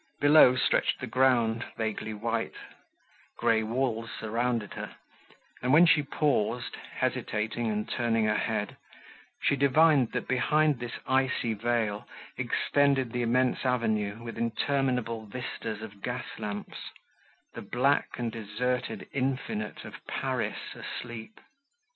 Below stretched the ground, vaguely white; grey walls surrounded her, and when she paused, hesitating and turning her head, she divined that behind this icy veil extended the immense avenue with interminable vistas of gas lamps—the black and deserted Infinite of Paris asleep.